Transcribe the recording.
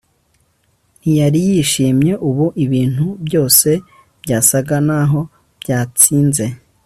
Ntiyari yishimye ubu Ibintu byose byasaga naho byatsinze